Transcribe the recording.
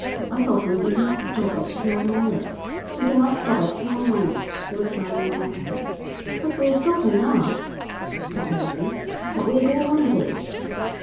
'I thought we did not stop at Xiormonez.' 'We do not stop at Xiormonez,' he replied impassively. 'But we are stopping now!' 'That may be; but we are going on again.'